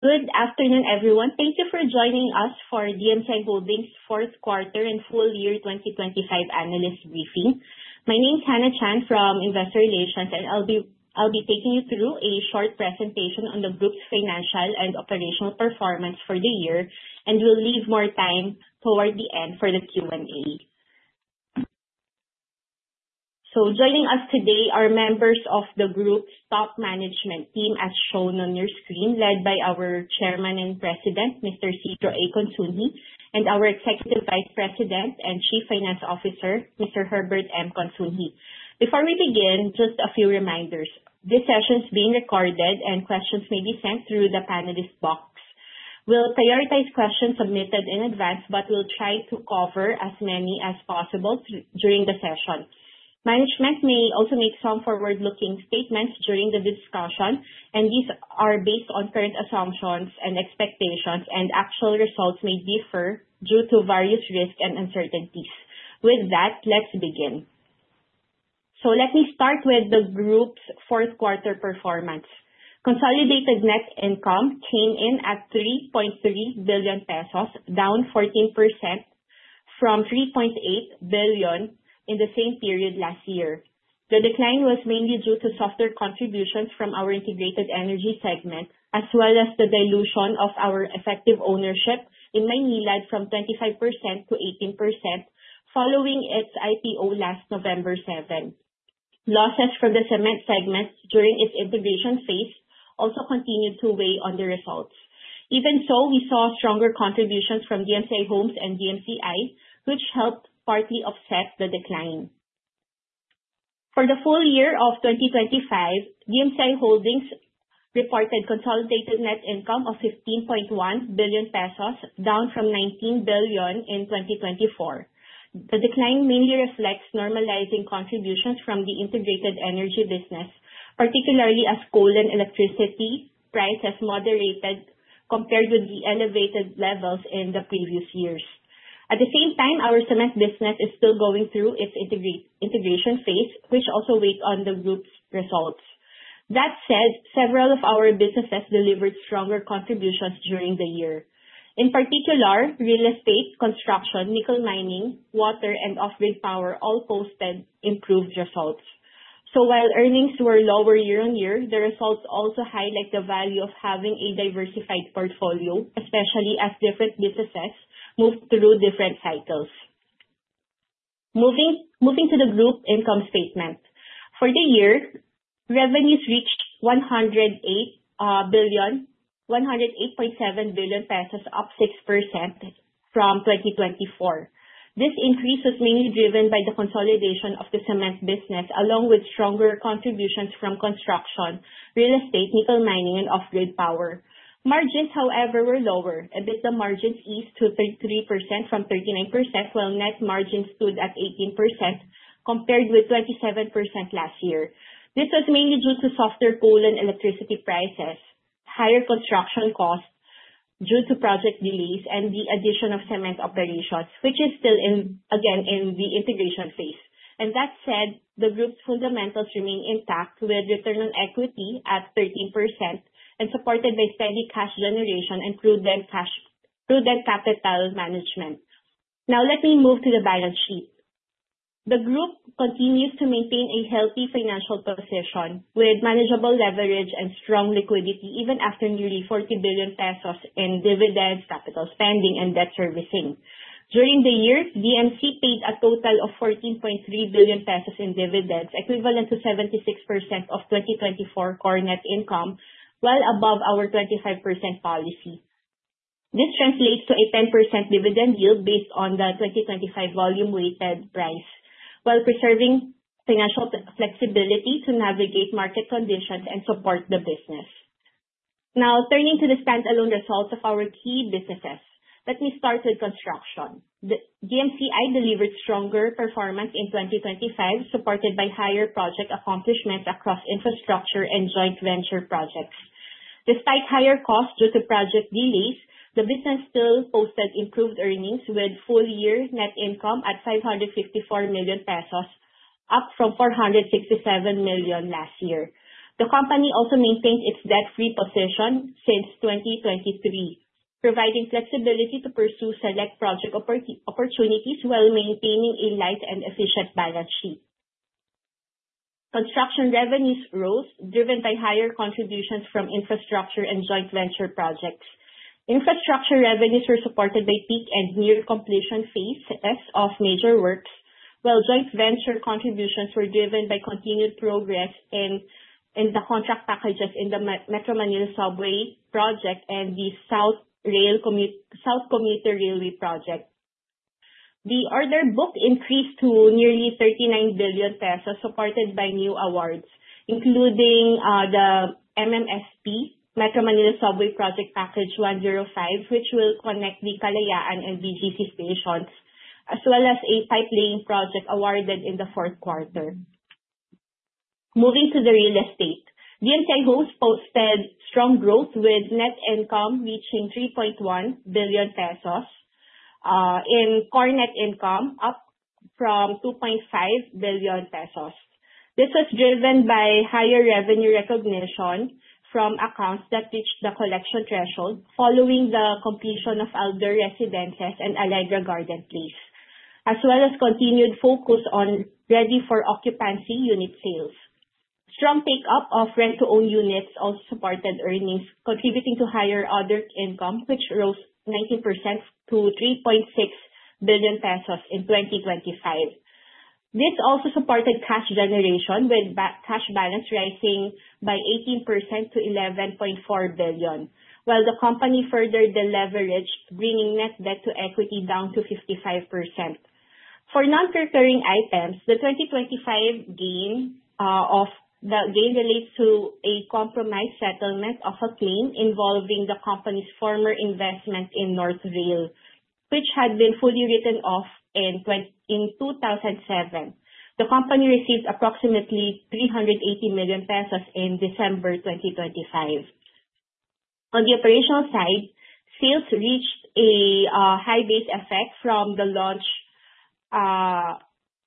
Good afternoon, everyone. Thank you for joining us for DMCI Holdings' fourth quarter and full year 2025 analyst briefing. My name is Hannah Chan from Investor Relations, and I'll be taking you through a short presentation on the group's financial and operational performance for the year. We'll leave more time toward the end for the Q&A. Joining us today are members of the group's top management team, as shown on your screen, led by our Chairman and President, Mr. Isidro A. Consunji, and our Executive Vice President and Chief Finance Officer, Mr. Herbert M. Consunji. Before we begin, just a few reminders. This session is being recorded and questions may be sent through the panelists box. We'll prioritize questions submitted in advance, but we'll try to cover as many as possible during the session. Management may also make some forward-looking statements during the discussion, and these are based on current assumptions and expectations, and actual results may differ due to various risks and uncertainties. With that, let's begin. Let me start with the group's fourth quarter performance. Consolidated net income came in at 3.3 billion pesos, down 14% from 3.8 billion in the same period last year. The decline was mainly due to softer contributions from our integrated energy segment, as well as the dilution of our effective ownership in Maynilad from 25% to 18% following its IPO last November 7. Losses from the cement segment during its integration phase also continued to weigh on the results. Even so, we saw stronger contributions from DMCI Homes and DMCI, which helped partly offset the decline. For the full year of 2025, DMCI Holdings reported consolidated net income of 15.1 billion pesos, down from 19 billion in 2024. The decline mainly reflects normalizing contributions from the integrated energy business, particularly as coal and electricity price has moderated compared with the elevated levels in the previous years. At the same time, our cement business is still going through its integration phase, which also weighed on the group's results. That said, several of our businesses delivered stronger contributions during the year. In particular, real estate, construction, nickel mining, water, and off-grid power all posted improved results. While earnings were lower year-on-year, the results also highlight the value of having a diversified portfolio, especially as different businesses move through different cycles. Moving to the group income statement. For the year, revenues reached 108.7 billion pesos, up 6% from 2024. This increase was mainly driven by the consolidation of the cement business, along with stronger contributions from construction, real estate, nickel mining, and off-grid power. Margins, however, were lower. EBITDA margins eased to 33% from 39%, while net margins stood at 18%, compared with 27% last year. This was mainly due to softer coal and electricity prices, higher construction costs due to project delays, and the addition of cement operations, which is still in the integration phase. That said, the group's fundamentals remain intact, with return on equity at 13% and supported by steady cash generation and prudent capital management. Now let me move to the balance sheet. The group continues to maintain a healthy financial position with manageable leverage and strong liquidity, even after nearly 40 billion pesos in dividends, capital spending, and debt servicing. During the year, DMCI paid a total of 14.3 billion pesos in dividends, equivalent to 76% of 2024 core net income, well above our 25% policy. This translates to a 10% dividend yield based on the 2025 volume weighted price, while preserving financial flexibility to navigate market conditions and support the business. Now, turning to the standalone results of our key businesses. Let me start with construction. The DMCI delivered stronger performance in 2025, supported by higher project accomplishments across infrastructure and joint venture projects. Despite higher costs due to project delays, the business still posted improved earnings, with full year net income at 554 million pesos, up from 467 million last year. The company also maintained its debt-free position since 2023, providing flexibility to pursue select project opportunities while maintaining a light and efficient balance sheet. Construction revenues rose, driven by higher contributions from infrastructure and joint venture projects. Infrastructure revenues were supported by peak and near completion phases of major works, while joint venture contributions were driven by continued progress in the contract packages in the Metro Manila Subway project and the South Commuter Railway project. The order book increased to nearly 39 billion pesos, supported by new awards, including the MMSP, Metro Manila Subway Project Package 105, which will connect the Kalayaan and BGC stations, as well as a pipelining project awarded in the fourth quarter. Moving to the real estate. DMCI Homes posted strong growth, with net income reaching 3.1 billion pesos. In core net income, up from 2.5 billion pesos. This was driven by higher revenue recognition from accounts that reached the collection threshold following the completion of Alder Residences and Allegra Garden Place, as well as continued focus on ready-for-occupancy unit sales. Strong take-up of rent-to-own units also supported earnings, contributing to higher other income, which rose 19% to 3.6 billion pesos in 2025. This also supported cash generation, with cash balance rising by 18% to 11.4 billion, while the company further deleveraged, bringing net debt-to-equity down to 55%. For non-recurring items, the 2025 gain. The gain relates to a compromise settlement of a claim involving the company's former investment in North Rail, which had been fully written off in 2007. The company received approximately 380 million pesos in December 2025. On the operational side, sales reached a high base effect from the launch of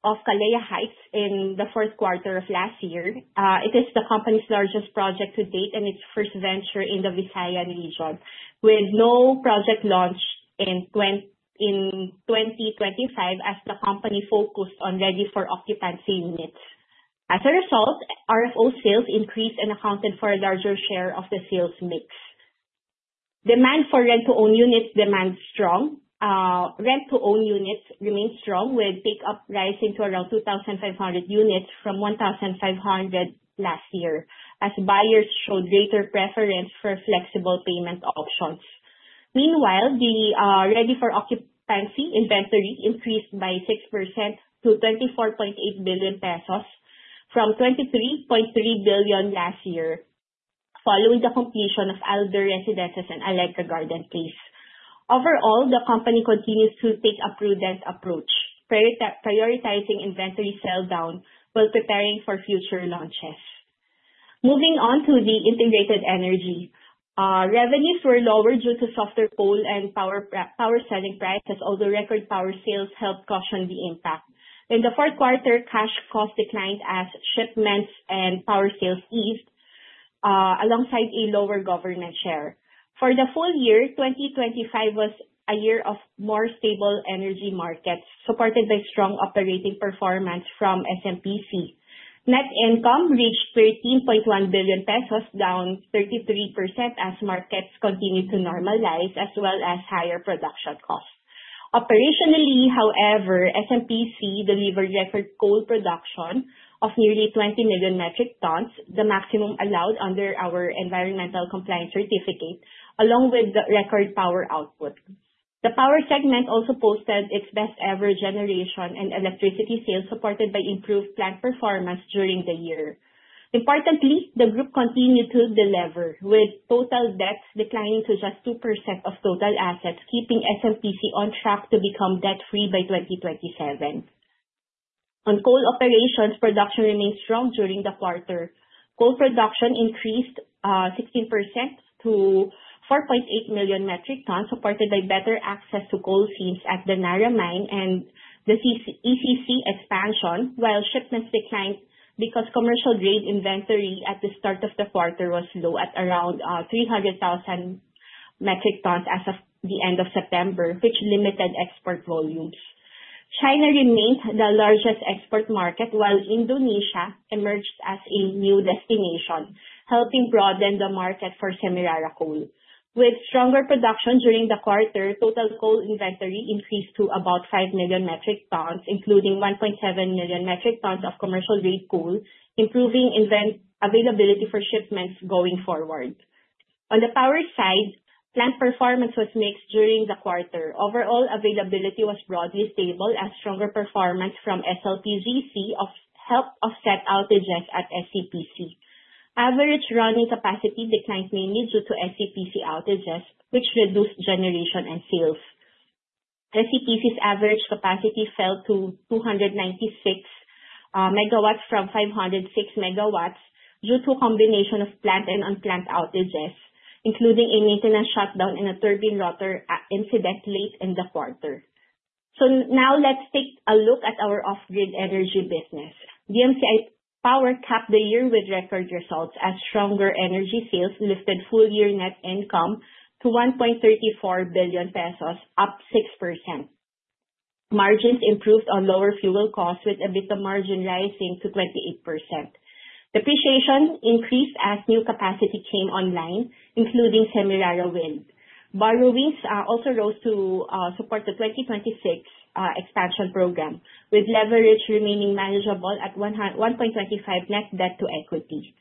Kalea Heights in the fourth quarter of last year. It is the company's largest project to date and its first venture in the Visayan region, with no project launch in 2025 as the company focused on ready-for-occupancy units. As a result, RFO sales increased and accounted for a larger share of the sales mix. Rent-to-own units remained strong, with take-up rising to around 2,500 units from 1,500 last year, as buyers showed greater preference for flexible payment options. Meanwhile, the ready-for-occupancy inventory increased by 6% to 24.8 billion pesos from 23.3 billion last year, following the completion of Alder Residences and Allegra Garden Place. Overall, the company continues to take a prudent approach, prioritizing inventory sell down while preparing for future launches. Moving on to the integrated energy. Revenues were lower due to softer coal and power selling prices, although record power sales helped cushion the impact. In the fourth quarter, cash costs declined as shipments and power sales eased, alongside a lower government share. For the full year, 2025 was a year of more stable energy markets, supported by strong operating performance from SMPC. Net income reached 13.1 billion pesos, down 33% as markets continued to normalize as well as higher production costs. Operationally, however, SMPC delivered record coal production of nearly 20 million metric tons, the maximum allowed under our environmental compliance certificate, along with the record power output. The power segment also posted its best-ever generation and electricity sales, supported by improved plant performance during the year. Importantly, the group continued to delever, with total debts declining to just 2% of total assets, keeping SMPC on track to become debt-free by 2027. On coal operations, production remained strong during the quarter. Coal production increased 16% to 4.8 million metric tons, supported by better access to coal seams at the Narra Mine and the ECC expansion, while shipments declined because commercial grade inventory at the start of the quarter was low at around 300,000 metric tons as of the end of September, which limited export volumes. China remained the largest export market, while Indonesia emerged as a new destination, helping broaden the market for Semirara coal. With stronger production during the quarter, total coal inventory increased to about 5 million metric tons, including 1.7 million metric tons of commercial-grade coal, improving availability for shipments going forward. On the power side, plant performance was mixed during the quarter. Overall availability was broadly stable as stronger performance from SLTGC helped offset outages at SEPC. Average running capacity declined mainly due to SEPC outages, which reduced generation and sales. SEPC's average capacity fell to 296 MW from 506 MW due to a combination of planned and unplanned outages, including a maintenance shutdown and a turbine rotor incident late in the quarter. Now let's take a look at our off-grid energy business. DMCI Power capped the year with record results as stronger energy sales lifted full-year net income to 1.34 billion pesos, up 6%. Margins improved on lower fuel costs, with EBITDA margin rising to 28%. Depreciation increased as new capacity came online, including Semirara Wind. Borrowings also rose to support the 2026 expansion program, with leverage remaining manageable at 1.25 net debt-to-equity.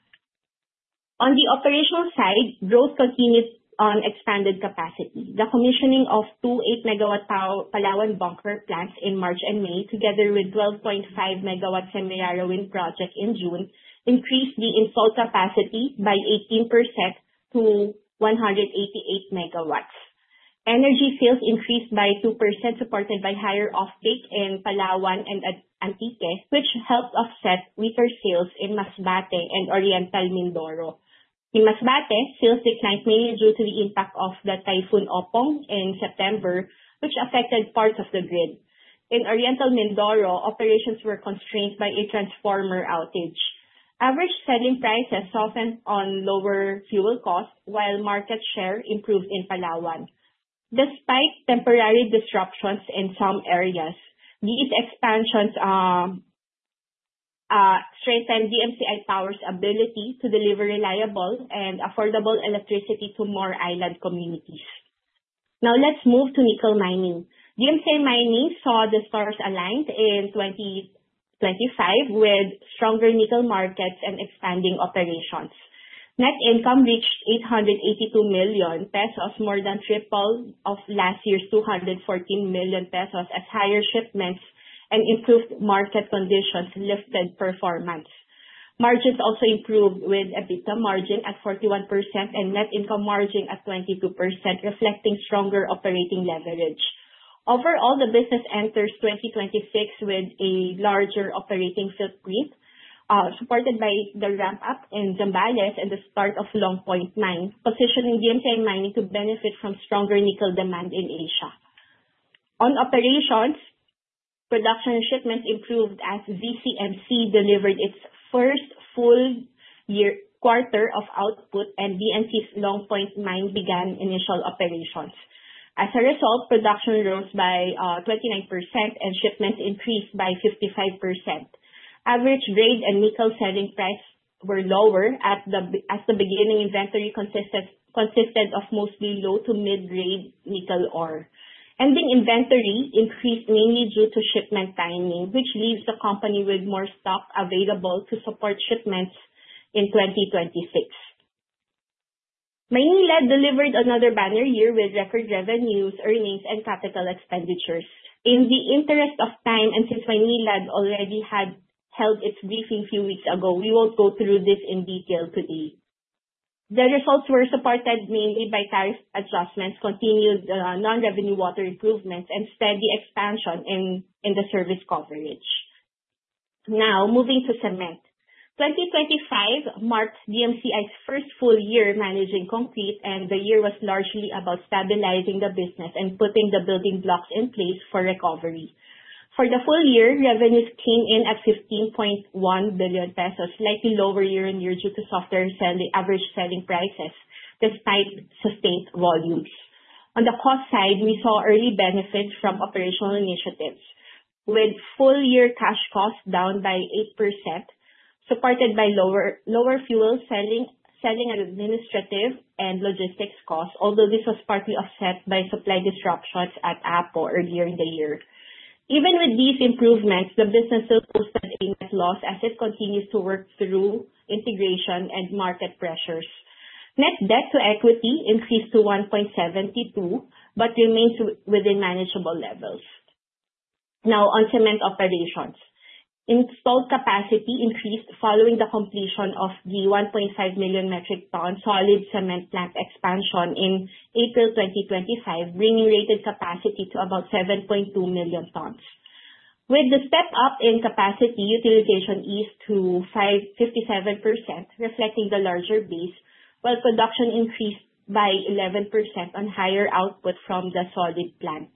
On the operational side, growth continued on expanded capacity. The commissioning of two 8 MW Palawan bunker plants in March and May, together with 12.5 MW Semirara Wind Project in June, increased the installed capacity by 18% to 188 MW. Energy sales increased by 2%, supported by higher offtake in Palawan and Antique, which helped offset weaker sales in Masbate and Oriental Mindoro. In Masbate, sales declined mainly due to the impact of the Typhoon Ompong in September, which affected parts of the grid. In Oriental Mindoro, operations were constrained by a transformer outage. Average selling prices softened on lower fuel costs while market share improved in Palawan. Despite temporary disruptions in some areas, these expansions strengthened DMCI Power's ability to deliver reliable and affordable electricity to more island communities. Now let's move to nickel mining. DMCI Mining saw the stars aligned in 2025 with stronger nickel markets and expanding operations. Net income reached 882 million pesos, more than triple of last year's 214 million pesos as higher shipments and improved market conditions lifted performance. Margins also improved with EBITDA margin at 41% and net income margin at 22%, reflecting stronger operating leverage. Overall, the business enters 2026 with a larger operating footprint, supported by the ramp up in Zambales and the start of Long Point Mine, positioning DMCI Mining to benefit from stronger nickel demand in Asia. On operations, production shipments improved as ZCMC delivered its first full year quarter of output and DMCI's Long Point Mine began initial operations. As a result, production rose by 29% and shipments increased by 55%. Average grade and nickel selling price were lower at the beginning, inventory consisted of mostly low to mid-grade nickel ore. Ending inventory increased mainly due to shipment timing, which leaves the company with more stock available to support shipments in 2026. Maynilad delivered another banner year with record revenues, earnings, and capital expenditures. In the interest of time, and since Maynilad already had held its briefing few weeks ago, we won't go through this in detail today. The results were supported mainly by tariff adjustments, continued non-revenue water improvements, and steady expansion in the service coverage. Now moving to cement. 2025 marked DMCI's first full year managing Concreat, and the year was largely about stabilizing the business and putting the building blocks in place for recovery. For the full year, revenues came in at 15.1 billion pesos, slightly lower year-on-year due to softer average selling prices despite sustained volumes. On the cost side, we saw early benefits from operational initiatives with full-year cash costs down by 8%, supported by lower fuel, selling and administrative and logistics costs, although this was partly offset by supply disruptions at APO earlier in the year. Even with these improvements, the business still posted a net loss as it continues to work through integration and market pressures. Net debt to equity increased to 1.72, but remains within manageable levels. Now on cement operations. Installed capacity increased following the completion of the 1.5 million metric ton Solid Cement plant expansion in April 2025, bringing rated capacity to about 7.2 million tons. With the step up in capacity, utilization eased to 57%, reflecting the larger base, while production increased by 11% on higher output from the Solid plant.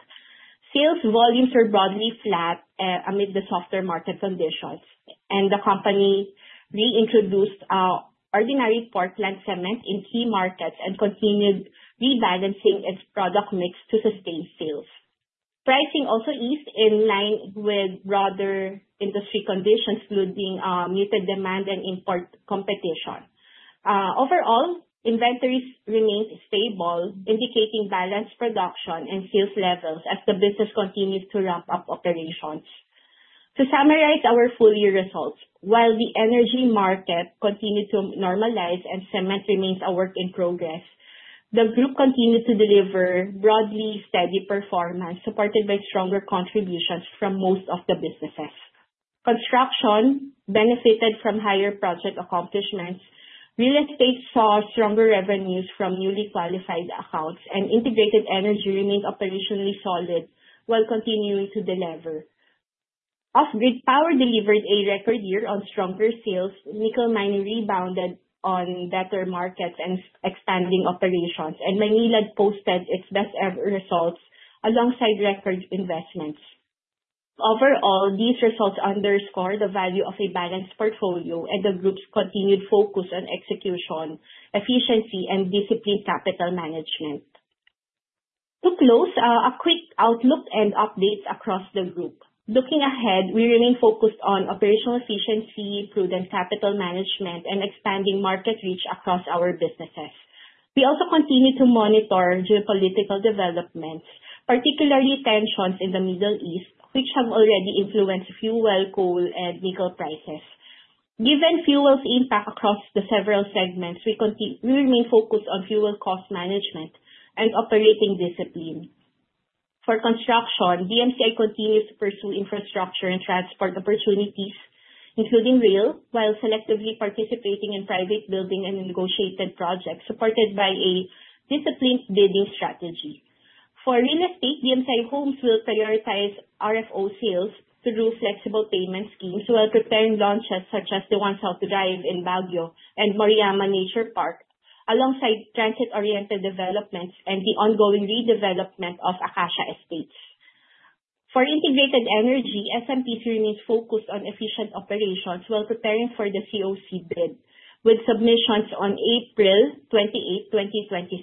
Sales volumes were broadly flat amid the softer market conditions. The company reintroduced Ordinary Portland cement in key markets and continued rebalancing its product mix to sustain sales. Pricing also eased in line with broader industry conditions, including muted demand and import competition. Overall, inventories remained stable, indicating balanced production and sales levels as the business continued to ramp up operations. To summarize our full year results, while the energy market continued to normalize and cement remains a work in progress, the group continued to deliver broadly steady performance, supported by stronger contributions from most of the businesses. Construction benefited from higher project accomplishments. Real estate saw stronger revenues from newly qualified accounts, and integrated energy remained operationally solid while continuing to delever. Off-grid power delivered a record year on stronger sales. Nickel mining rebounded on better markets and expanding operations. Maynilad posted its best ever results alongside record investments. Overall, these results underscore the value of a balanced portfolio and the group's continued focus on execution, efficiency, and disciplined capital management. To close, a quick outlook and updates across the group. Looking ahead, we remain focused on operational efficiency, prudent capital management, and expanding market reach across our businesses. We also continue to monitor geopolitical developments, particularly tensions in the Middle East, which have already influenced fuel, coal, and nickel prices. Given fuel's impact across the several segments, we remain focused on fuel cost management and operating discipline. For construction, DMCI continues to pursue infrastructure and transport opportunities, including rail, while selectively participating in private building and negotiated projects supported by a disciplined bidding strategy. For real estate, DMCI Homes will prioritize RFO sales through flexible payment schemes while preparing launches such as the One South Drive in Baguio and Moriyama Nature Park, alongside transit-oriented developments and the ongoing redevelopment of Acacia Estates. For integrated energy, SMPC remains focused on efficient operations while preparing for the COC bid, with submissions on April 28, 2026.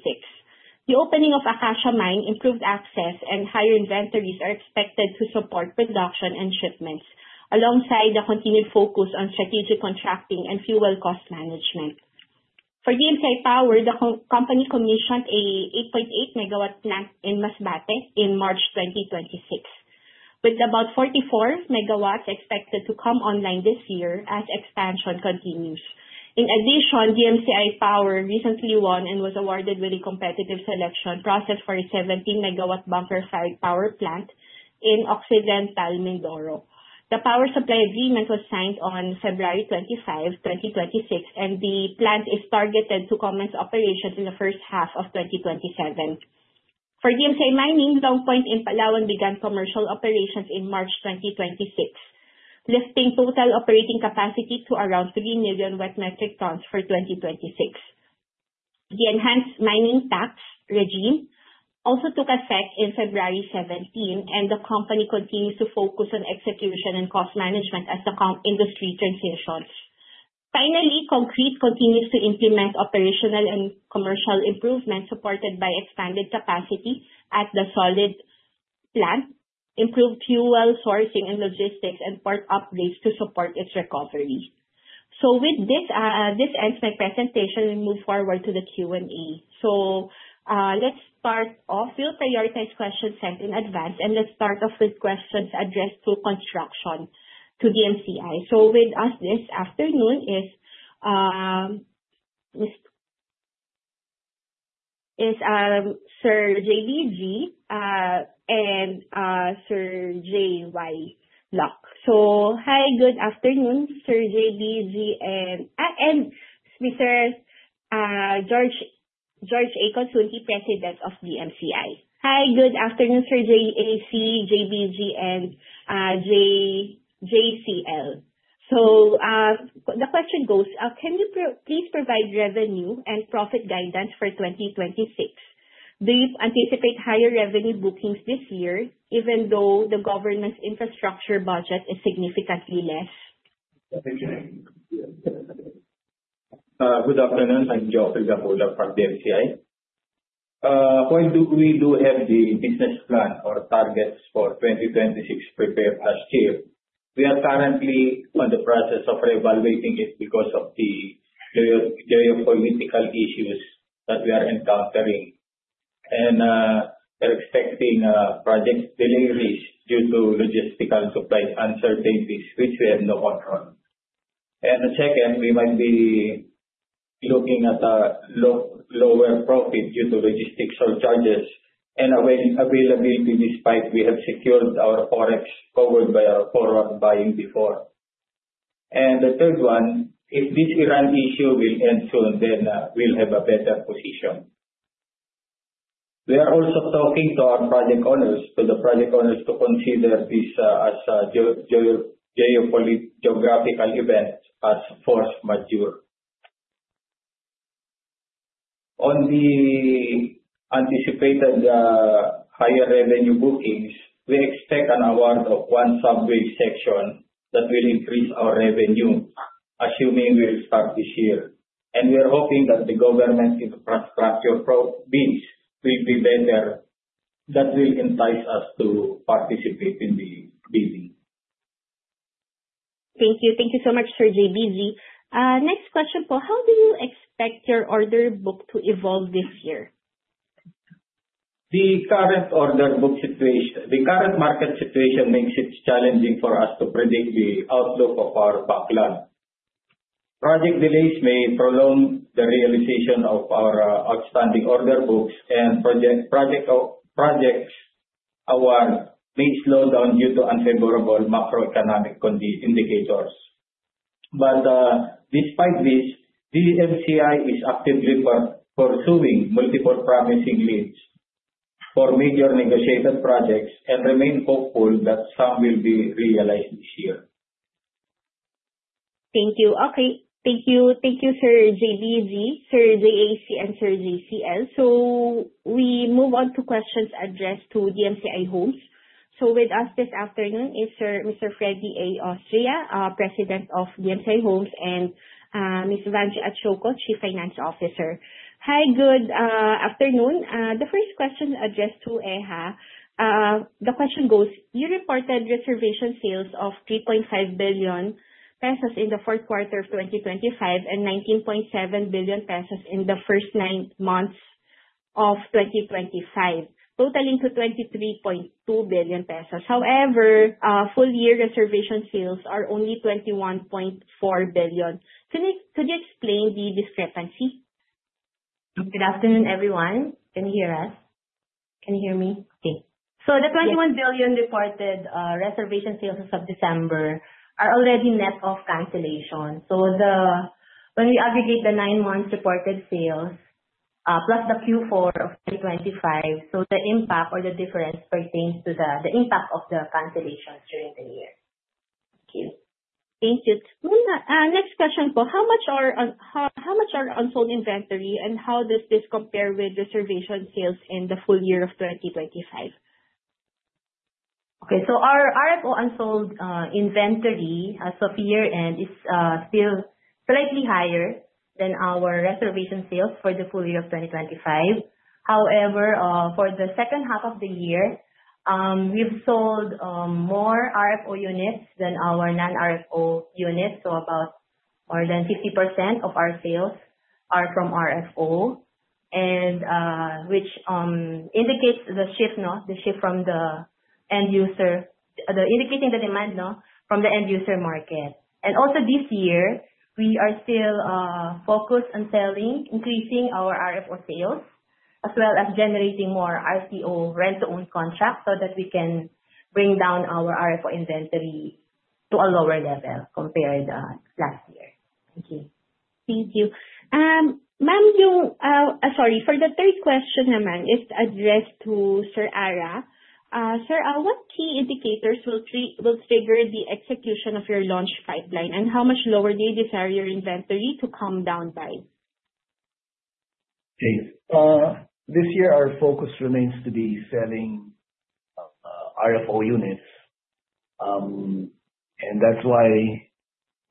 The opening of Acacia Mine, improved access, and higher inventories are expected to support production and shipments alongside the continued focus on strategic contracting and fuel cost management. For DMCI Power, the company commissioned an 8.8 MW plant in Masbate in March 2026, with about 44 MW expected to come online this year as expansion continues. In addition, DMCI Power recently won and was awarded with a competitive selection process for a 17 MW bunker-fired power plant in Occidental Mindoro. The power supply agreement was signed on February 25, 2026, and the plant is targeted to commence operations in the first half of 2027. For DMCI Mining, Long Point in Palawan began commercial operations in March 2026, lifting total operating capacity to around 3 million wet metric tons for 2026. The enhanced mining tax regime also took effect in February 17, and the company continues to focus on execution and cost management as the industry transitions. Finally, Concreat continues to implement operational and commercial improvements supported by expanded capacity at the Solid plant, improved fuel sourcing and logistics, and port upgrades to support its recovery. With this ends my presentation. We move forward to the Q&A. Let's start off. We'll prioritize questions sent in advance, and let's start off with questions addressed to construction to DMCI. With us this afternoon is Sir J.B.G. and Sir J.Y.L. Hi, good afternoon, Sir J.B.G. and Mr. Jorge A. Consunji, President of DMCI. Hi, good afternoon, Sir J.A.C., J.B.G., and J.C.L. The question goes, can you please provide revenue and profit guidance for 2026? Do you anticipate higher revenue bookings this year even though the government's infrastructure budget is significantly less? Good afternoon. I'm Joseph Adelbert from DMCI. We do have the business plan or targets for 2026 prepared last year. We are currently in the process of reevaluating it because of the geopolitical issues that we are encountering. We're expecting project deliveries due to logistical supply uncertainties which we have no control. The second, we might be looking at a lower profit due to logistics surcharges and availability despite we have secured our Forex covered by our forward buying before. The third one, if this Iran issue will end soon, then we'll have a better position. We are also talking to our project owners to consider this as a geographical event as force majeure. On the anticipated higher revenue bookings, we expect an award of one sub-bridge section that will increase our revenue, assuming we'll start this year. We're hoping that the government infrastructure projects will be better. That will entice us to participate in the bidding. Thank you. Thank you so much, Sir J.B.G. Next question po, how do you expect your order book to evolve this year? The current market situation makes it challenging for us to predict the outlook of our backlog. Project delays may prolong the realization of our outstanding order books and projects award may slow down due to unfavorable macroeconomic indicators. Despite this, DMCI is actively pursuing multiple promising leads for major negotiated projects and remain hopeful that some will be realized this year. Thank you, Sir J.B.G., Sir J.A.C., and Sir J.C.L. We move on to questions addressed to DMCI Homes. With us this afternoon is Mr. Alfredo R. Austria, President of DMCI Homes, and Ms. Evangeline Atchioco, Chief Finance Officer. Hi, good afternoon. The first question addressed to E.H.A. The question goes. You reported reservation sales of 3.5 billion pesos in the fourth quarter of 2025 and 19.7 billion pesos in the first nine months of 2025, totaling to 23.2 billion pesos. However, full year reservation sales are only 21.4 billion. Could you explain the discrepancy? Good afternoon, everyone. Can you hear us? Can you hear me? Okay. The 21 billion reported reservation sales as of December are already net of cancellation. When we aggregate the nine months reported sales plus the Q4 of 2025, the impact or the difference pertains to the impact of the cancellations during the year. Thank you. Thank you. Ma'am, next question po. How much are unsold inventory, and how does this compare with reservation sales in the full year of 2025? Okay. Our RFO unsold inventory so far is still slightly higher than our reservation sales for the full year of 2025. However, for the second half of the year, we've sold more RFO units than our non-RFO units. About more than 50% of our sales are from RFO, which indicates the shift from the end user, indicating the demand from the end user market. Also this year, we are still focused on selling, increasing our RFO sales, as well as generating more RTO rent-to-own contracts so that we can bring down our RFO inventory to a lower level compared last year. Thank you. Thank you. For the third question naman, it's addressed to Sir R.A. Sir, what key indicators will trigger the execution of your launch pipeline, and how much lower do you desire your inventory to come down by? Okay. This year our focus remains to be selling RFO units. That's why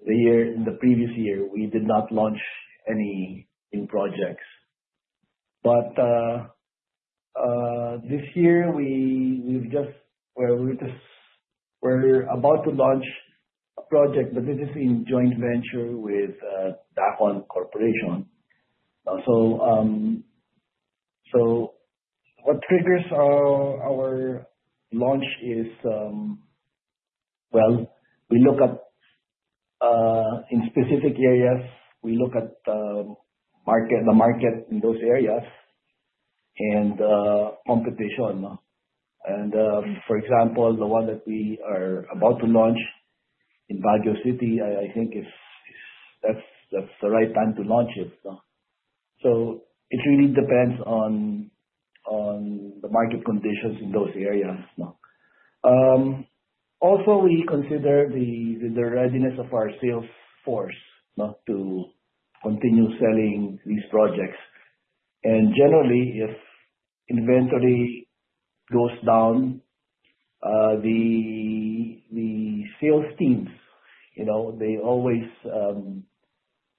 the previous year, we did not launch any new projects. This year we've just, well, we're about to launch a project, but this is in joint venture with Dacon Corporation. So what triggers our launch is, well, we look at in specific areas, we look at the market in those areas and competition, no. For example, the one that we are about to launch in Baguio City, I think that's the right time to launch it so. It really depends on the market conditions in those areas, no. Also, we consider the readiness of our sales force, no, to continue selling these projects. Generally, if inventory goes down, the sales teams, you know, they always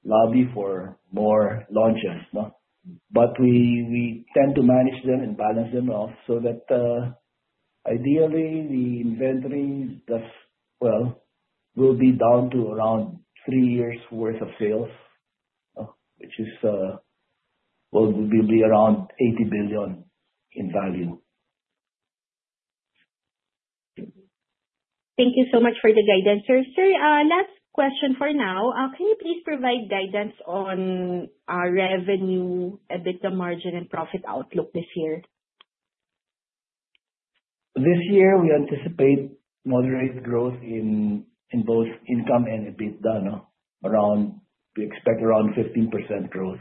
lobby for more launches no. We tend to manage them and balance them off so that ideally the inventory that's well will be down to around three years worth of sales, which is well will be around 80 billion in value. Thank you so much for the guidance, sir. Sir, last question for now. Can you please provide guidance on revenue, EBITDA margin, and profit outlook this year? This year we anticipate moderate growth in both income and EBITDA. We expect around 15% growth.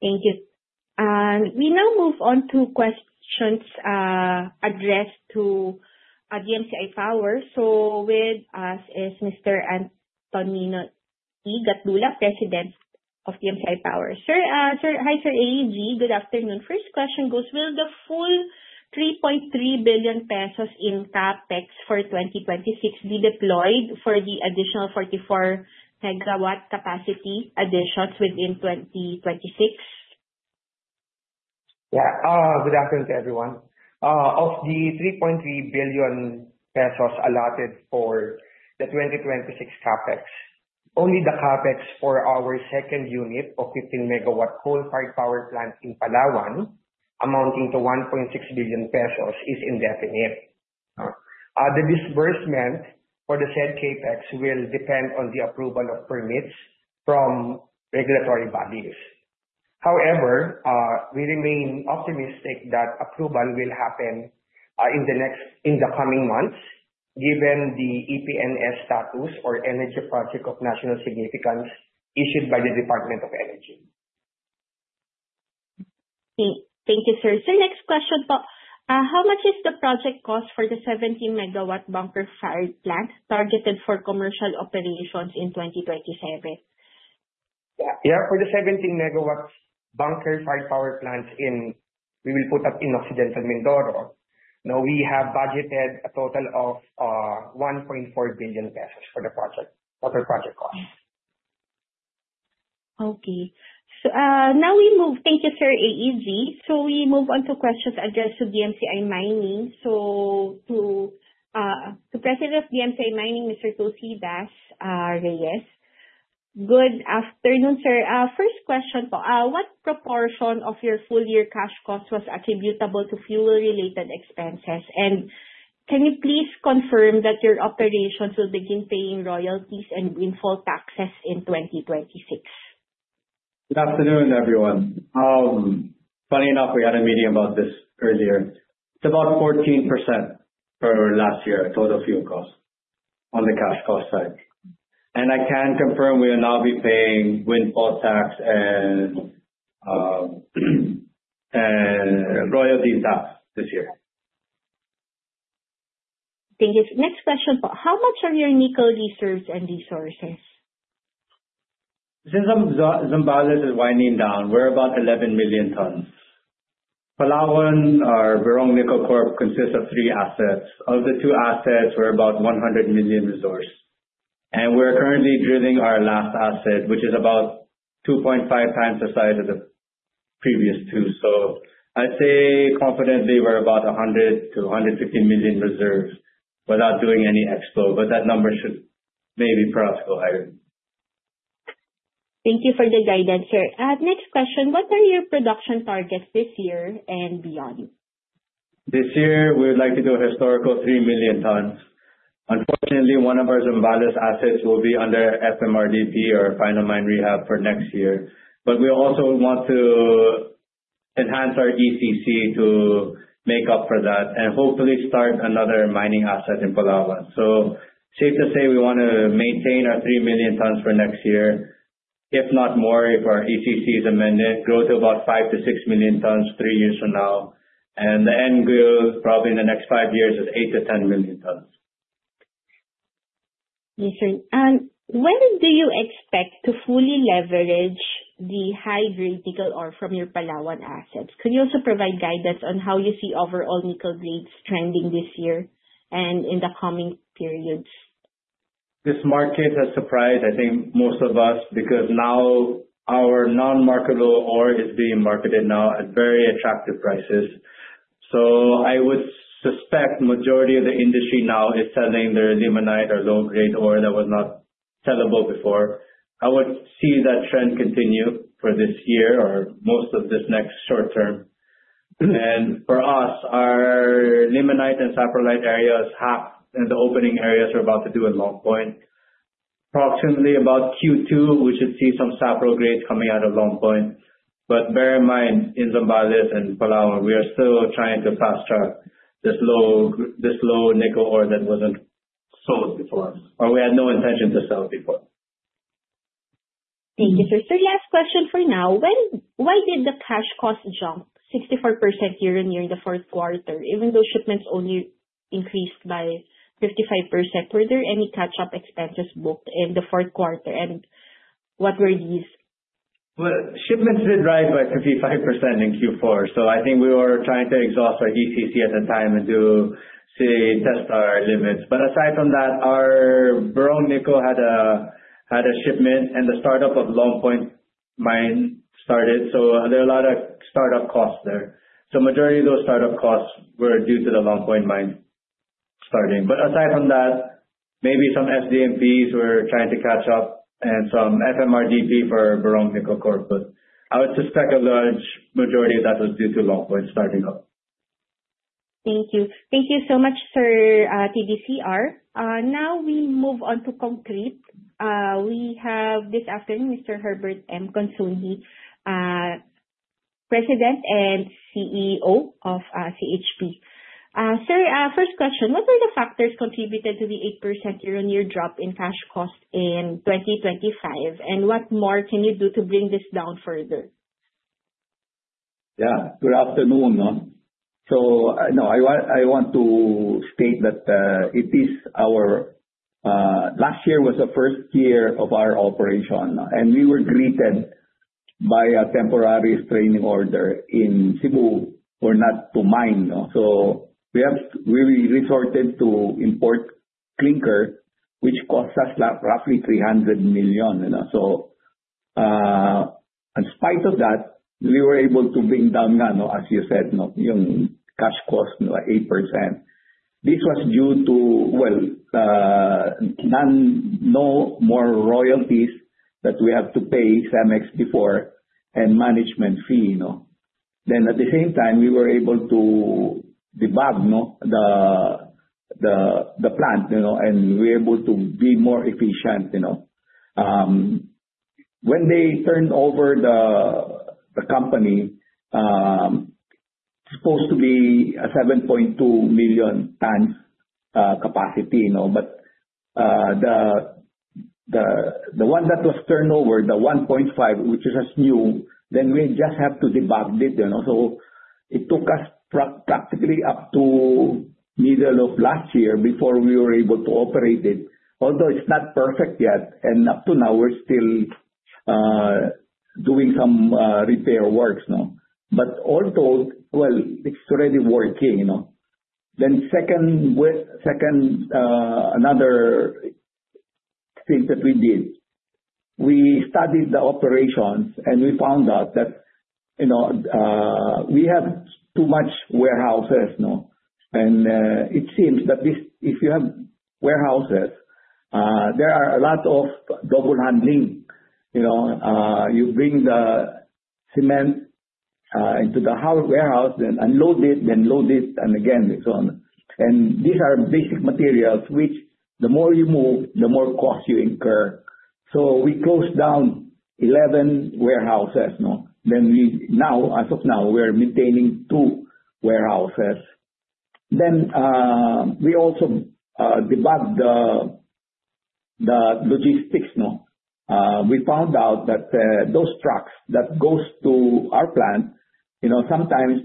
Yeah. Thank you. We now move on to questions, addressed to DMCI Power. With us is Mr. Antonino E. Gatdula, President of DMCI Power. Sir, hi, Sir A.E.G. Good afternoon. First question goes: Will the full 3.3 billion pesos in CapEx for 2026 be deployed for the additional 44 MW capacity additions within 2026? Good afternoon to everyone. Of the 3.3 billion pesos allotted for the 2026 CapEx, only the CapEx for our second unit of 15 MW coal-fired power plant in Palawan amounting to PHP 1.6 billion is indefinite. The disbursement for the said CapEx will depend on the approval of permits from regulatory bodies. However, we remain optimistic that approval will happen in the coming months, given the EPNS status or Energy Project of National Significance issued by the Department of Energy. Okay. Thank you, sir. Sir, next question po. How much is the project cost for the 17 MW bunker-fired plant targeted for commercial operations in 2027? For the 17 MW bunker-fired power plant we will put up in Occidental Mindoro. Now, we have budgeted a total of 1.4 billion pesos for the project, total project cost. Okay. Thank you, Sir A.E.G. We move on to questions addressed to DMCI Mining. To President of DMCI Mining, Mr. Tulsi Das C. Reyes. Good afternoon, sir. First question po. What proportion of your full-year cash cost was attributable to fuel-related expenses, and can you please confirm that your operations will begin paying royalties and windfall taxes in 2026? Good afternoon, everyone. Funny enough, we had a meeting about this earlier. It's about 14% for last year total fuel costs on the cash cost side. I can confirm we will now be paying windfall tax and royalty tax this year. Thank you. Next question, please. How much are your nickel reserves and resources? Since Zambales is winding down, we're about 11 million tons. Palawan, our Berong Nickel Corporation consists of three assets. Of the two assets, we're about 100 million resource. We're currently drilling our last asset, which is about 2.5x the size of the previous two. I'd say confidently we're about 100 million-150 million reserves without doing any expo, but that number should maybe perhaps go higher. Thank you for the guidance, sir. Next question. What are your production targets this year and beyond? This year we would like to do a historical 3 million tons. Unfortunately, one of our Zambales assets will be under FMRDP or final mine rehab for next year. We also want to enhance our ECC to make up for that and hopefully start another mining asset in Palawan. Safe to say we wanna maintain our 3 million tons for next year, if not more, if our ECC is amended, grow to about 5 million-6 million tons three years from now. The end goal probably in the next five years is 8 million-10 million tons. Yes, sir. When do you expect to fully leverage the high-grade nickel ore from your Palawan assets? Could you also provide guidance on how you see overall nickel grades trending this year and in the coming periods? This market has surprised, I think most of us, because now our non-marketable ore is being marketed now at very attractive prices. I would suspect majority of the industry now is selling their limonite or low-grade ore that was not sellable before. I would see that trend continue for this year or most of this next short term. For us, our limonite and saprolite areas have, and the opening areas are about to do at Long Point. Approximately about Q2, we should see some saprolite grades coming out of Long Point. Bear in mind, in Zambales and Palawan, we are still trying to fast-track this low nickel ore that wasn't sold before or we had no intention to sell before. Thank you, sir. Sir, last question for now. Why did the cash cost jump 64% year-on-year in the fourth quarter, even though shipments only increased by 55%? Were there any catch-up expenses booked in the fourth quarter, and what were these? Well, shipments did rise by 55% in Q4, so I think we were trying to exhaust our ECC at the time and to say test our limits. Aside from that, our Berong Nickel had a shipment, and the startup of Long Point Mine started. There are a lot of startup costs there. Majority of those startup costs were due to the Long Point Mine starting. Aside from that, maybe some SDMPs were trying to catch up and some FMRDP for Berong Nickel Corporation. I would suspect a large majority of that was due to Long Point starting up. Thank you. Thank you so much, sir, T.D.C.R. Now we move on to Concreat. We have this afternoon Mr. Herbert M. Consunji, President and CEO of CHP. Sir, first question. What were the factors contributed to the 8% year-on-year drop in cash cost in 2025, and what more can you do to bring this down further? I want to state that our last year was the first year of our operation, and we were greeted by a temporary restraining order in Cebu for not to mine. We have really resorted to import clinker, which cost us like roughly 300 million. In spite of that, we were able to bring down now, as you said, yung cash cost ni like 8%. This was due to, well, no more royalties that we have to pay Cemex before and management fee, you know. At the same time, we were able to debug the plant, you know, and we're able to be more efficient, you know. When they turned over the company, supposed to be a 7.2 million tons capacity, you know, but the one that was turned over, the 1.5, which is as new, then we just have to debug it, you know. It took us practically up to middle of last year before we were able to operate it, although it's not perfect yet, and up to now we're still doing some repair works now. All told, well, it's already working, you know. Second, another thing that we did, we studied the operations, and we found out that, you know, we have too much warehouses, no. It seems that this, if you have warehouses, there are a lot of double handling. You know, you bring the cement into the warehouse, then unload it, then load it, and again, and so on. These are basic materials, which the more you move, the more cost you incur. We closed down 11 warehouses, no? Now, as of now, we're maintaining two warehouses. We also debug the logistics, no? We found out that those trucks that goes to our plant sometimes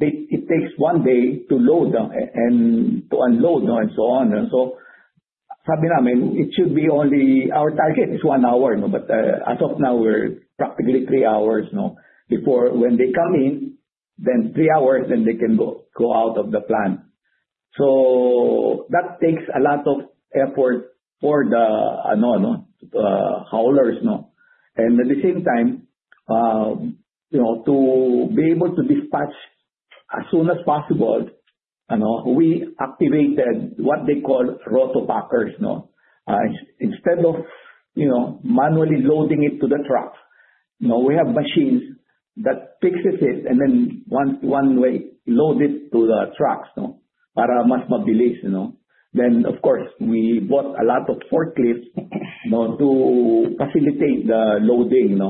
it takes one day to load them and to unload and so on. It should be only, our target is one hour, but as of now we're practically three hours. No, before when they come in, then three hours, then they can go, go out of the plan. So that takes a lot of effort for the haulers. And at the same time, you know, to be able to dispatch as soon as possible, we activated what they call Roto backers. Instead of manually loading it to the trucks, we have machines that fixes it and then one way load it to the trucks para mas mobile. Then of course we bought a lot of forklifts to facilitate the loading.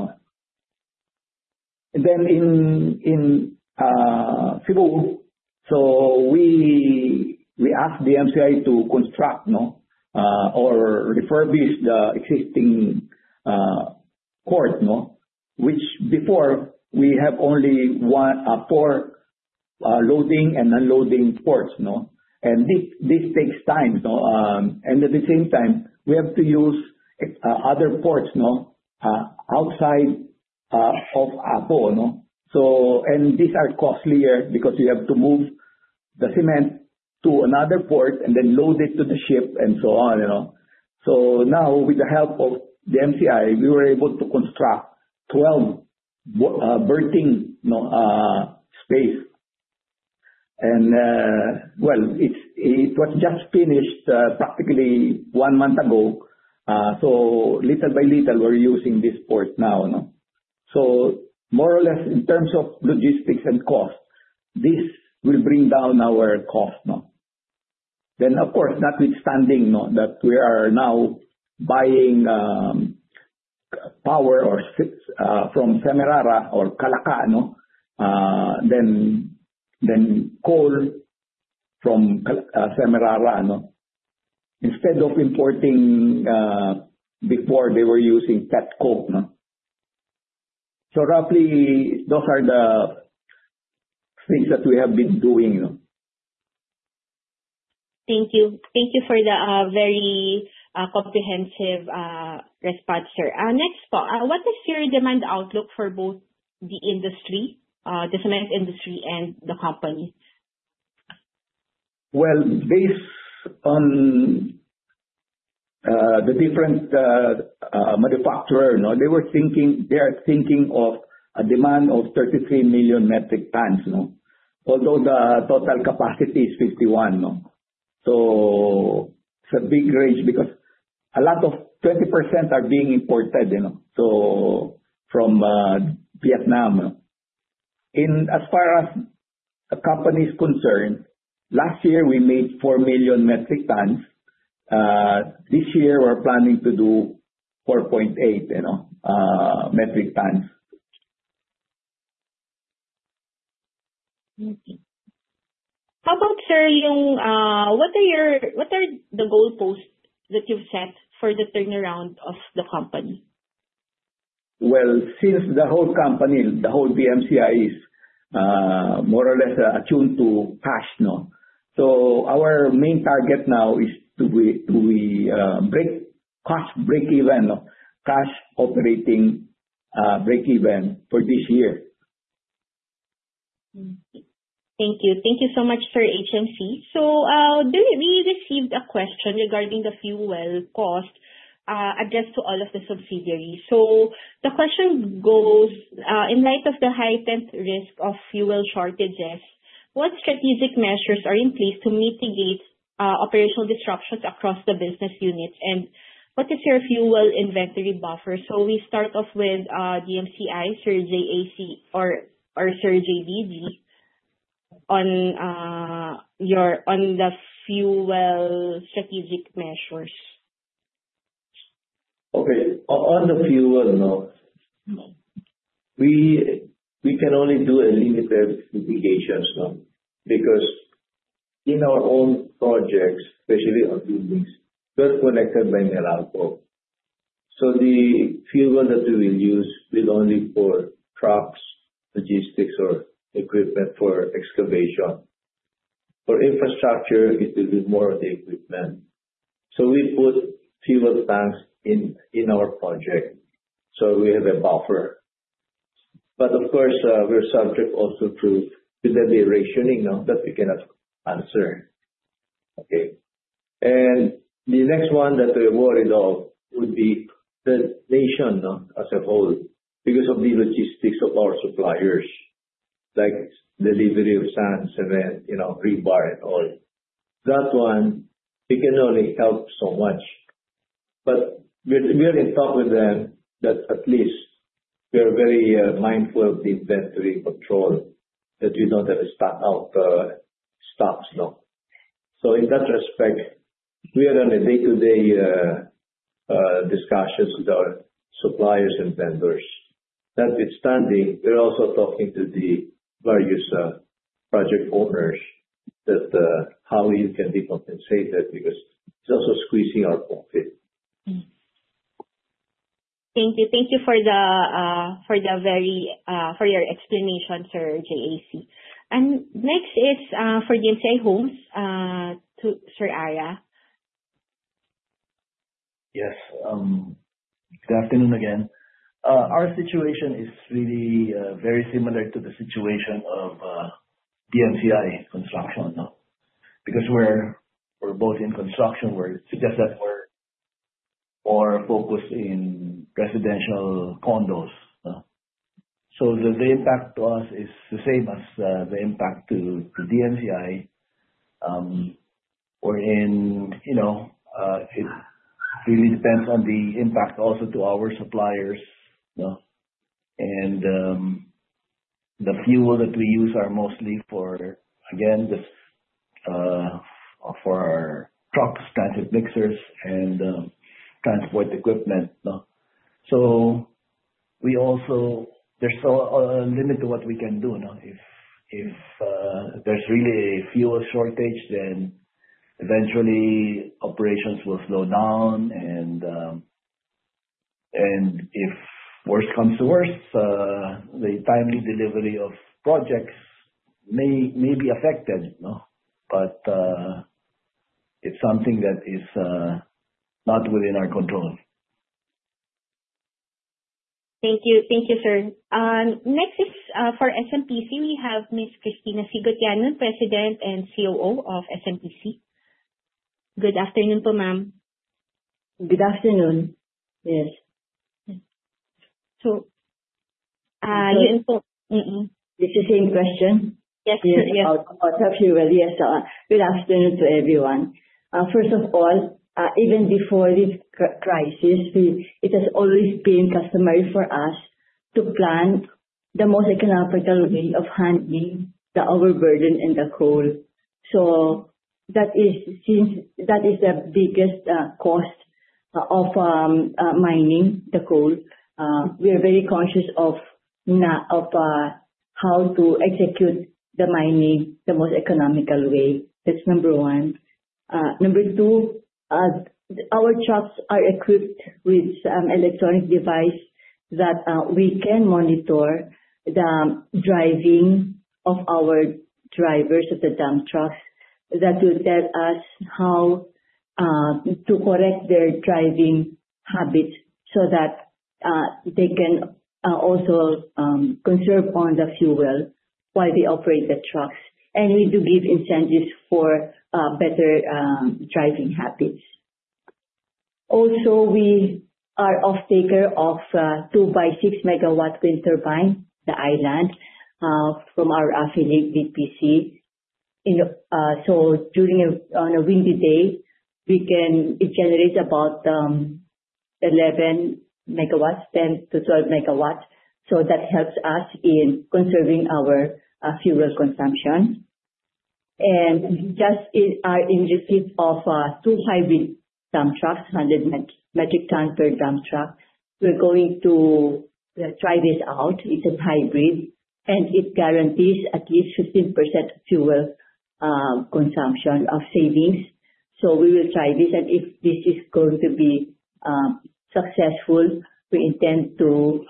And then in Cebu we asked DMCI to construct, or refurbish the existing port, which before we have only one port. Loading and unloading ports. And this takes time. And at the same time we have to use other ports. Outside of Apollo. These are costlier because you have to move the cement to another port and then load it to the ship and so on, you know. So now with the help of DMCI, we were able to construct 12 burting space. And well, it's. It was just finished practically one month ago. So little by little we're using this port now. So more or less in terms of logistics and cost, this will bring down our cost. Then of course, notwithstanding that we are now buying power from Semirara or [Kalakano], then coal from Semirara, instead of importing before they were using. So roughly, those are the things that we have been doing. Thank you. Thank you for the very comprehensive response, sir. Next point, what is your demand outlook for both the industry, the cement industry and the company? Well, based on the different manufacturer, you know, they are thinking of a demand of 33 million metric tons, no? Although the total capacity is 51, no? So it's a big range because a lot of 30% are being imported, you know, so from Vietnam. In as far as the company is concerned, last year we made 4 million metric tons. This year we're planning to do 4.8, you know, metric tons. How about, sir, yung, what are the goalposts that you've set for the turnaround of the company? Well, since the whole company, the whole DMCI is more or less attuned to cash, no? Our main target now is to be cash operating breakeven for this year. Thank you. Thank you so much, Sir H.M.C. We received a question regarding the fuel cost, addressed to all of the subsidiaries. The question goes, in light of the heightened risk of fuel shortages, what strategic measures are in place to mitigate operational disruptions across the business units? And what is your fuel inventory buffer? We start off with DMCI, Sir J.A.C. or Sir J.D.D., on your fuel strategic measures. On the fuel, we can only do a limited mitigations, because in our own projects, especially our buildings, they're connected by Meralco. The fuel that we will use is only for trucks, logistics or equipment for excavation. For infrastructure, it will be more of the equipment. We put fuel tanks in our project, so we have a buffer. Of course, we're subject also to the rationing that we cannot answer. The next one that we're worried of would be the nation as a whole because of the logistics of our suppliers, like delivery of sand, cement, you know, rebar and all. That one, we can only help so much. We're in talks with them that at least we are very mindful of the inventory control, that we don't have to stock up stocks now. In that respect, we are on a day-to-day discussions with our suppliers and vendors. Notwithstanding, we're also talking to the various project owners on how we can be compensated because it's also squeezing our profit. Thank you for your explanation, Sir J.A.C. Next is for DMCI Homes to Sir R.A. Yes. Good afternoon again. Our situation is really very similar to the situation of DMCI Construction now. We're both in construction. We're more focused in residential condos. The impact to us is the same as the impact to DMCI. It really depends on the impact also to our suppliers, you know. The fuel that we use are mostly for our trucks, transit mixers and transport equipment. There's a limit to what we can do now. If there's really a fuel shortage, then eventually operations will slow down and if worse comes to worse, the timely delivery of projects may be affected, you know. It's something that is not within our control. Thank you. Thank you, sir. Next is, for SMPC. We have Miss Cristina C. Gotianun, President and COO of SMPC. Good afternoon to ma'am. Good afternoon. Yes. So, uh. It's the same question? Yes. Yes. About fuel. Yes. Good afternoon to everyone. First of all, even before this crisis, it has always been customary for us to plan the most economical way of handling the overburden in the coal. That is the biggest cost of mining the coal. We are very conscious of how to execute the mining the most economical way. That's number one. Number two, our trucks are equipped with some electronic device that we can monitor the driving of our drivers of the dump trucks. That will tell us how to correct their driving habits so that they can also conserve on the fuel while they operate the trucks. We do give incentives for better driving habits. We are off-taker of 2.6 MW wind turbine, the island, from our affiliate DPC. On a windy day, we can generate about 11 MW, 10 MW-12 MW. That helps us in conserving our fuel consumption. We are just in receipt of two hybrid dump trucks, 100 metric ton per dump truck. We are going to try this out. It is a hybrid, and it guarantees at least 15% fuel consumption savings. We will try this, and if this is going to be successful, we intend to,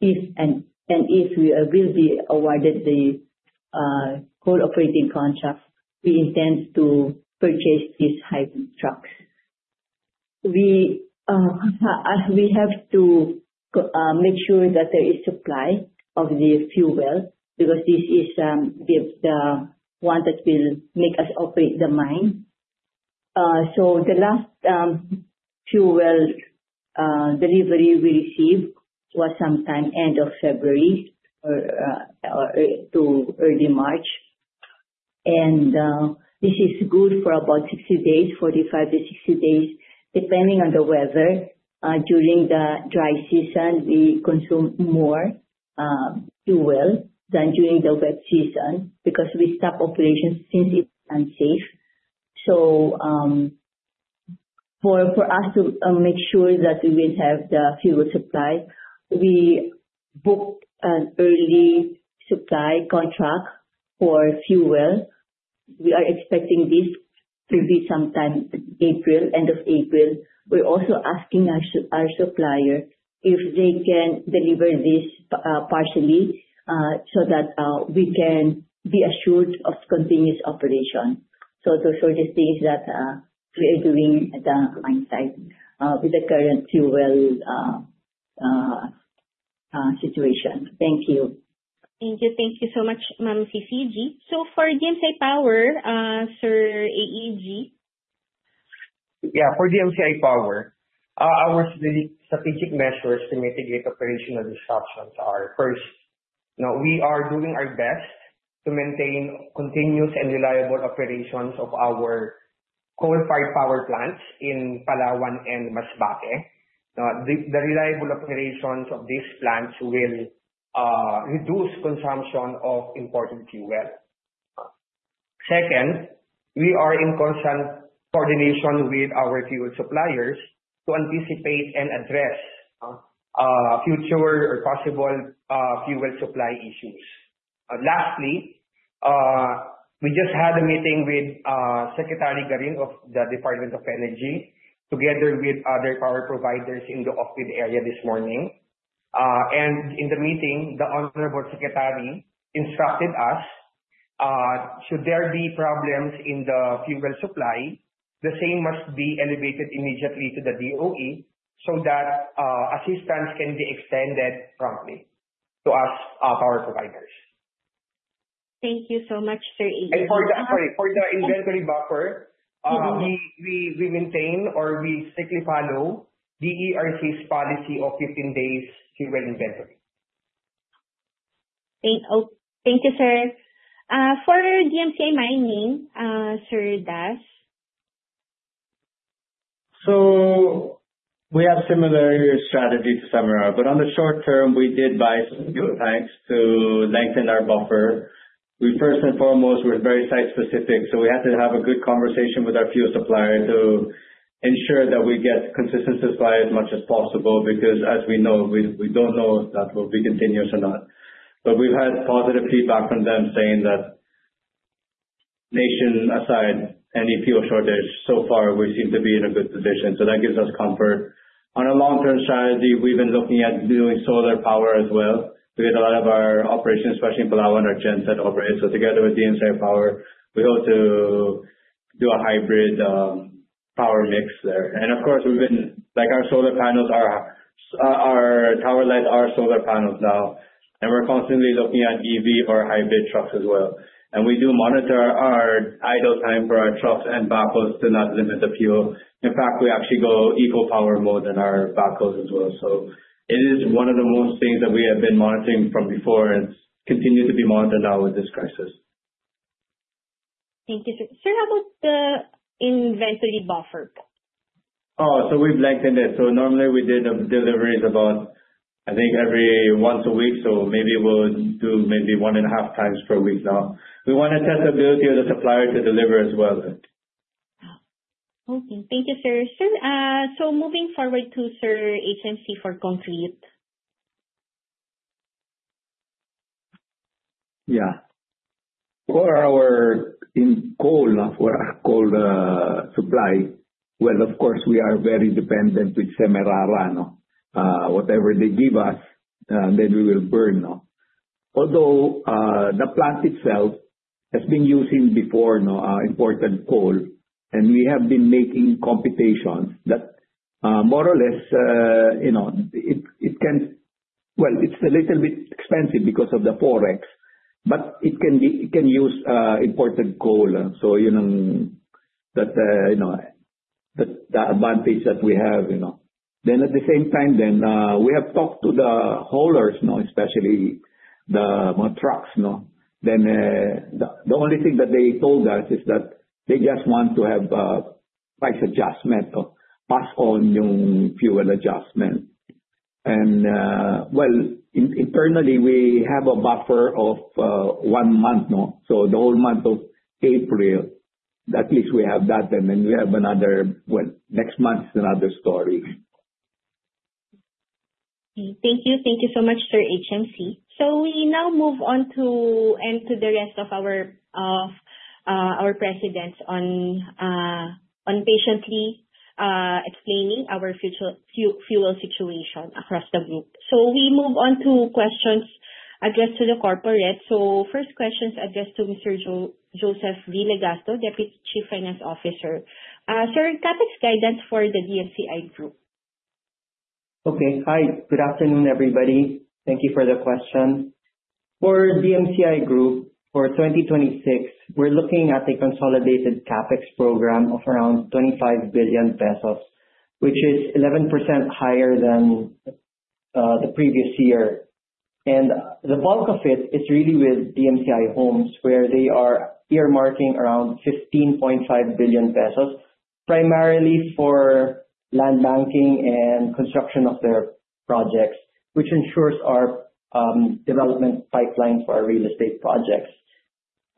if we will be awarded the Coal Operating Contract, purchase these hybrid trucks. We have to make sure that there is supply of the fuel because this is the one that will make us operate the mine. The last fuel delivery we received was sometime end of February or to early March. This is good for about 60 days, 45-60 days, depending on the weather. During the dry season, we consume more fuel than during the wet season because we stop operations since it is unsafe. For us to make sure that we will have the fuel supply, we booked an early supply contract for fuel. We are expecting this to be sometime April, end of April. We're also asking our supplier if they can deliver this partially, so that we can be assured of continuous operation. For the things that we are doing at the mine site with the current fuel situation. Thank you. Thank you. Thank you so much, Ma'am C.C.G. For DMCI Power, Sir A.E.G. Yeah. For DMCI Power, our strategic measures to mitigate operational disruptions are, first. No, we are doing our best to maintain continuous and reliable operations of our coal-fired power plants in Palawan and Masbate. The reliable operations of these plants will reduce consumption of imported fuel. Second, we are in constant coordination with our fuel suppliers to anticipate and address future or possible fuel supply issues. Lastly, we just had a meeting with Sharon Garin of the Department of Energy, together with other power providers in the off-grid area this morning. In the meeting, the Honorable Secretary instructed us, should there be problems in the fuel supply, the same must be elevated immediately to the DOE so that assistance can be extended promptly to us, power providers. Thank you so much. Sorry, for the inventory buffer. Mm-hmm. We maintain or we strictly follow the ERC's policy of 15 days fuel inventory. Oh, thank you, sir. For DMCI Mining, Sir Das? We have similar strategy to Semirara, but on the short term, we did buy some fuel tanks to lengthen our buffer. We first and foremost, we're very site specific, so we had to have a good conversation with our fuel supplier to ensure that we get consistent supply as much as possible because as we know, we don't know if that will be continuous or not. But we've had positive feedback from them saying that nation aside, any fuel shortage so far we seem to be in a good position, so that gives us comfort. On a long-term strategy, we've been looking at doing solar power as well. We had a lot of our operations, especially in Palawan, our genset operates, so together with DMCI Power, we hope to do a hybrid power mix there. Of course we've been, like our solar panels are, our tower lights are solar panels now. We're constantly looking at EV or hybrid trucks as well. We do monitor our idle time for our trucks and backhoes to not limit the fuel. In fact, we actually go eco power mode in our backhoes as well. It is one of the most things that we have been monitoring from before and continue to be monitored now with this crisis. Thank you, sir. Sir, how about the inventory buffer? We've lengthened it. Normally we did deliveries about, I think, every once a week, maybe we'll do one and a half times per week now. We wanna test the ability of the supplier to deliver as well. Okay. Thank you, sir. Sir, moving forward to Sir H.M.C. for Concreat. Yeah. For our coal supply, well of course we are very dependent with Semirara. Whatever they give us, then we will burn. Although, the plant itself has been using before, imported coal, and we have been making computations that, more or less, you know, it can. Well, it's a little bit expensive because of the Forex, but it can be, it can use imported coal. So, you know, that, you know, the advantage that we have, you know. At the same time, we have talked to the haulers, especially the trucks. The only thing that they told us is that they just want to have a price adjustment to pass on yung fuel adjustment. Internally we have a buffer of the whole month of April. At least we have that, and then we have another. Well, next month's another story. Thank you. Thank you so much, Sir H.M.C. We now move on to the rest of our presidents, one by one, patiently explaining our future fuel situation across the group. We move on to questions addressed to the corporate. First question addressed to Mr. Joseph V. Legasto, Deputy Chief Finance Officer. Sir, CapEx guidance for the DMCI Group. Okay. Hi, good afternoon, everybody. Thank you for the question. For DMCI Group for 2026, we're looking at a consolidated CapEx program of around 25 billion pesos, which is 11% higher than the previous year. The bulk of it is really with DMCI Homes, where they are earmarking around 15.5 billion pesos, primarily for land banking and construction of their projects, which ensures our development pipeline for our real estate projects.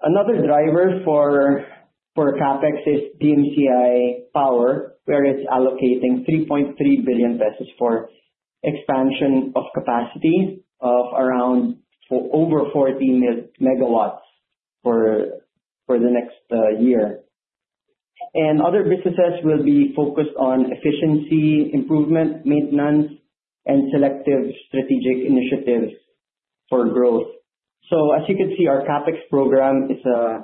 Another driver for CapEx is DMCI Power, where it's allocating 3.3 billion pesos for expansion of capacity of around over 14 MW for the next year. Other businesses will be focused on efficiency, improvement, maintenance, and selective strategic initiatives for growth. As you can see, our CapEx program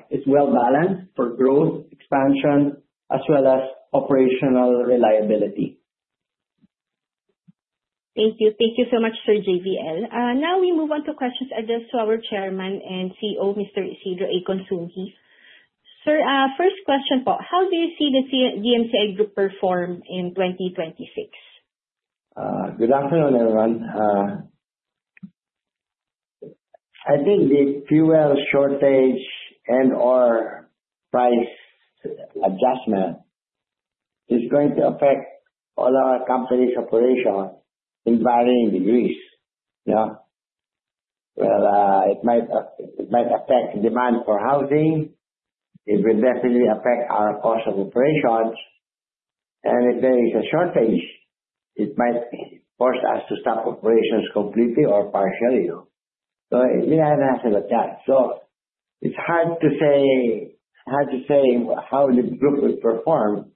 is well-balanced for growth, expansion, as well as operational reliability. Thank you. Thank you so much, Sir J.V.L. Now we move on to questions addressed to our chairman and CEO, Mr. Isidro A. Consunji. Sir, first question po. How do you see the DMCI Group perform in 2026? Good afternoon, everyone. I think the fuel shortage and/or price adjustment is going to affect all our company's operations in varying degrees. It might affect demand for housing. It will definitely affect our cost of operations. If there is a shortage, it might force us to stop operations completely or partially. So it's hard to say, hard to say how the Group will perform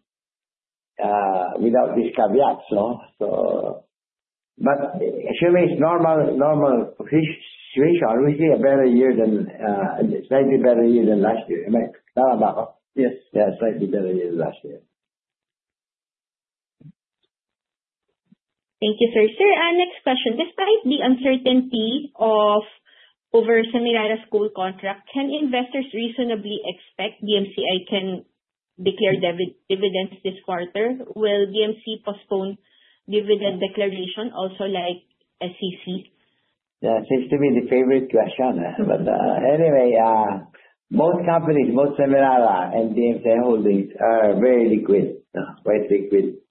without these caveats. But assuming normal situation are we see a better year, slightly better year than last year. Yes. Yeah, slightly better year than last year. Thank you, sir. Sir, next question: Despite the uncertainty over Semirara's coal contract, can investors reasonably expect DMCI can declare dividends this quarter? Will DMCI postpone dividend declaration also like SCC? That seems to be the favorite question. Anyway, both companies, both Semirara and DMCI Holdings are very liquid. Quite liquid.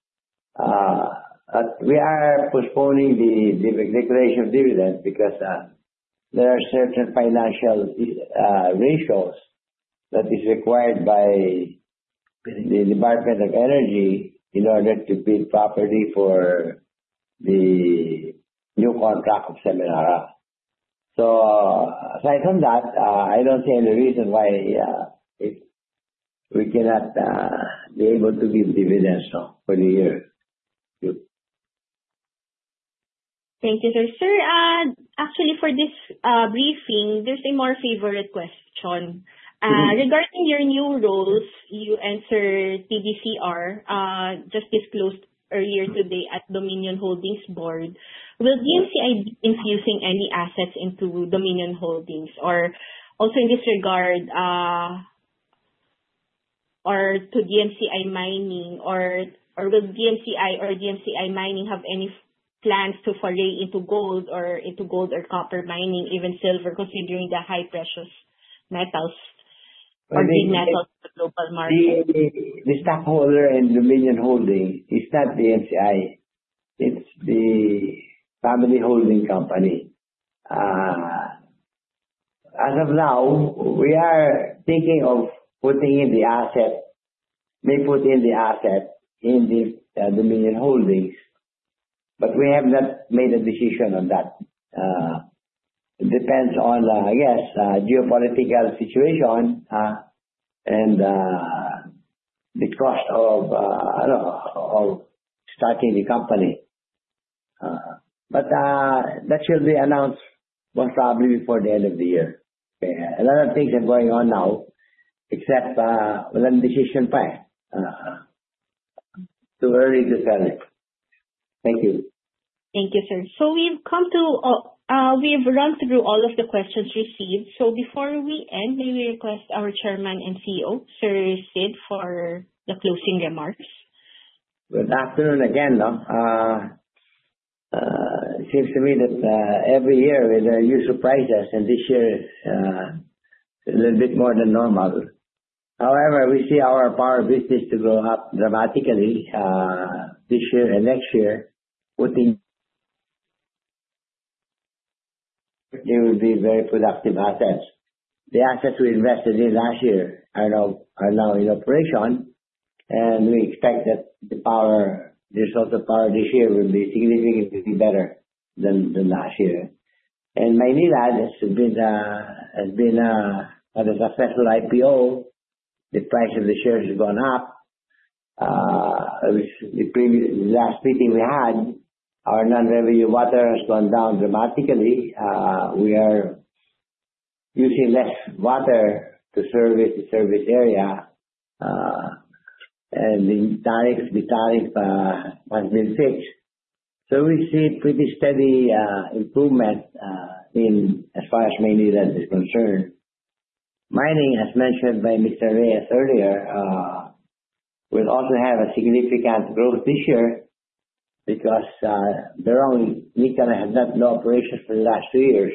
We are postponing the declaration of dividends because there are certain financial ratios that is required by the Department of Energy in order to bid properly for the new contract of Semirara. Aside from that, I don't see any reason why we cannot be able to give dividends for the year. Thank you, sir. Sir, actually for this briefing, there's my favorite question. Mm-hmm. Regarding your new roles, you entered PDCR, just disclosed earlier today at Dominion Holdings board. Will DMCI infusing any assets into Dominion Holdings? Or also in this regard, or to DMCI Mining, will DMCI or DMCI Mining have any plans to foray into gold or copper mining, even silver, considering the high precious metals or base metals in the global market? The stockholder in Dominion Holdings is not DMCI, it's the family holding company. As of now, we are thinking of putting in the asset, may put in the asset in this Dominion Holdings, but we have not made a decision on that. It depends on, I guess, geopolitical situation, and the cost of, I don't know, of starting the company. That shall be announced most probably before the end of the year. A lot of things are going on now except, Thank you. Thank you, sir. We've run through all of the questions received. Before we end, may we request our Chairman and CEO, Sir I.A.C., for the closing remarks. Good afternoon again. It seems to me that every year you surprise us and this year is a little bit more than normal. However, we see our power business to go up dramatically this year and next year with the They will be very productive assets. The assets we invested in last year are now in operation, and we expect that the result of power this year will be significantly better than last year. Maynilad has had a successful IPO. The price of the shares has gone up. Which the previous last meeting we had, our non-revenue water has gone down dramatically. We are using less water to service the service area. The tariff has been fixed. We see pretty steady improvement in as far as Maynilad is concerned. Mining, as mentioned by Mr. Reyes earlier, will also have a significant growth this year because their own nickel has got no operations for the last two years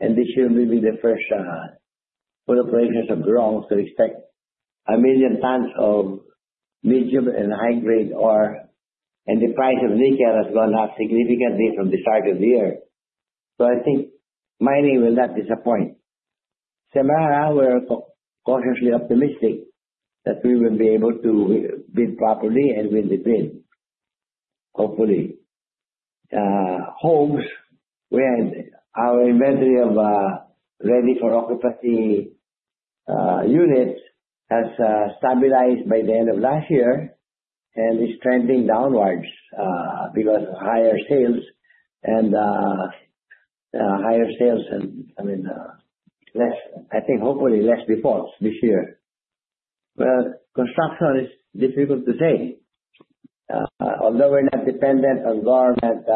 and this year will be the first full operations of Berong. Expect 1 million tons of medium and high-grade ore, and the price of nickel has gone up significantly from the start of the year. I think mining will not disappoint. Semirara, we're cautiously optimistic that we will be able to bid properly and win the bid, hopefully. In Homes, we had our inventory of ready-for-occupancy units has stabilized by the end of last year and is trending downwards because of higher sales and, I mean, less defaults this year, I think hopefully. Well, construction is difficult to say. Although we're not dependent on government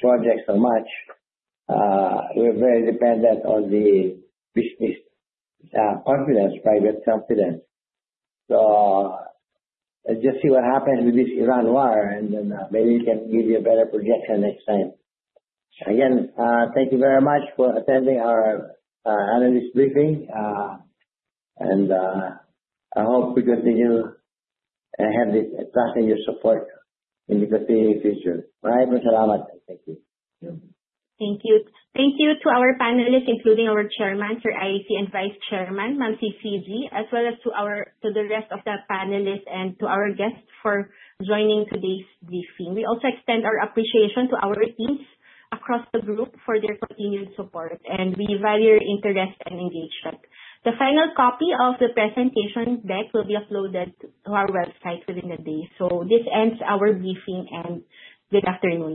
projects so much, we're very dependent on the business confidence, private confidence. Let's just see what happens with this Iran war, and then maybe we can give you a better projection next time. Again, thank you very much for attending our analyst briefing. I hope we continue to have this continued support in the future. Thank you to our panelists, including our Chairman, Sir A.I.C., and Vice Chairman, Ma'am C.C.G, as well as to the rest of the panelists and to our guests for joining today's briefing. We also extend our appreciation to our teams across the Group for their continued support. We value your interest and engagement. The final copy of the presentation deck will be uploaded to our website within the day. This ends our briefing and good afternoon.